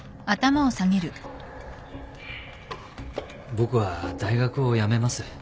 僕は大学を辞めます。